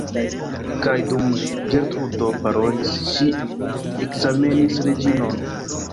Kaj dum Ĝertrudo parolis, ŝi ekzamenis Reĝinon.